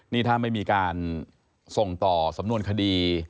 นี่ถ้าไม่มีการส่งต่อสำนวนคดี